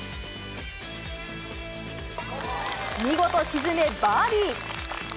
見事沈め、バーディー。